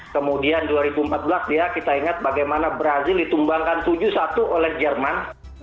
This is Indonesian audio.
kemudian dua ribu empat belas dia kita ingat bagaimana brazil ditumbangkan tujuh satu oleh jerman